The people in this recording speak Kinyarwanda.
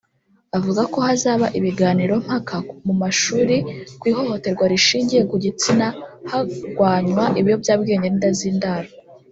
Avuga ko hazaba ibiganirompaka mu mashuri ku ihohoterwa rishingiye ku gitsina harwanywa ibiyobyabwenge n’inda z’indaro